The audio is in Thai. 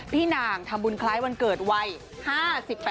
พี่นางธรรมบุญคล้ายวันเกิดวัย๕๘ปี